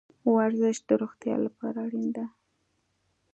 ورزش د روغتیا لپاره اړین ده